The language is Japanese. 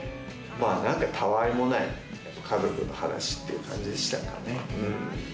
何かたわいもない家族の話っていう感じでしたかね。